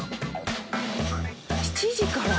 ７時から？